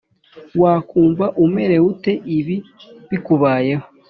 Wakumva umerewe ute ibi bikubayeho